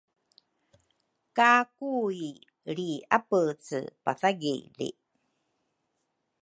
ka Kui lri-apece pathagili.